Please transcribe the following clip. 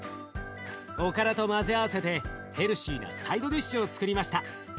おからと混ぜ合わせてヘルシーなサイドディッシュをつくりました。